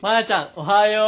おはよう。